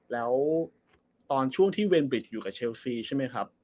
แล้วตอนช่วงที่เวนบริดอยู่กับเชลซีใช่ไหมครับ